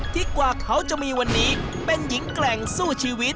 กว่าเขาจะมีวันนี้เป็นหญิงแกร่งสู้ชีวิต